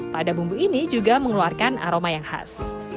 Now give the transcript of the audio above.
pada bumbu ini juga mengeluarkan aroma yang khas